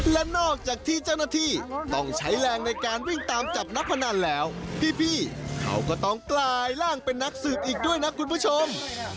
และนอกจากที่เจ้าหน้าที่ต้องใช้แรงในการวิ่งตามจับนักพนันแล้วพี่เขาก็ต้องกลายร่างเป็นนักสืบอีกด้วยนะคุณผู้ชม